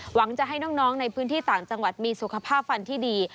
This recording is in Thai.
หวังจะให้น้องในพื้นที่ต่างจังหวัดมีสุขภาพฟันที่ดี